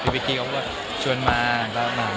พี่วิกกี้เขาก็ชวนมาทำใหม่แล้วฮะ